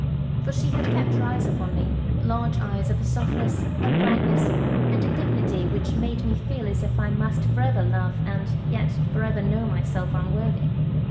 For she had kept her eyes upon me; large eyes of a softness, a brightness, and a dignity which made me feel as if I must for ever love and yet for ever know myself unworthy.